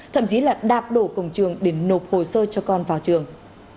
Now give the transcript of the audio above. thậm chí là đạp đổ cổng trường để nộp hồ sơ cho con vào trường